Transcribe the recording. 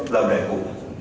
là một đại cụ